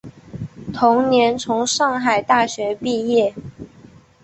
同年从上海大学毕业。